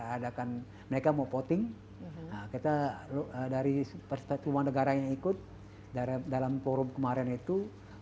adakan mereka mau voting kita dari persatuan negara yang ikut dalam forum kemarin itu